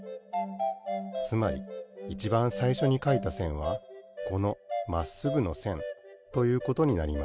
つまりいちばんさいしょにかいたせんはこのまっすぐのせんということになります。